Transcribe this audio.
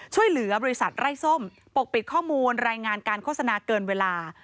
ช่วยเหลือบริษัทไร้ส้มปกปิดข้อมูลรายงานการโฆษณาเกินเวลา